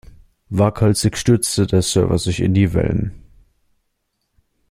Waghalsig stürzte der Surfer sich in die Wellen.